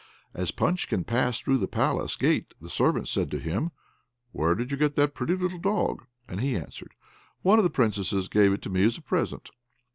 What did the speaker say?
As Punchkin passed through the palace gate the servants said to him, "Where did you get that pretty little dog?" And he answered, "One of the Princesses gave it to me as a present."